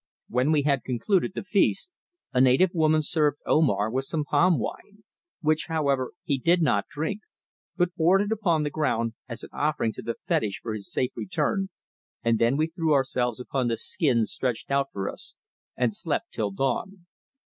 When we had concluded the feast a native woman served Omar with some palm wine, which, however, he did not drink, but poured it upon the ground as an offering to the fetish for his safe return, and then we threw ourselves upon the skins stretched out for us and slept till dawn.